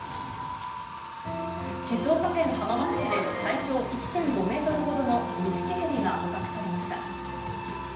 静岡県浜松市で、体長１．５メートルほどのニシキヘビが捕獲されました。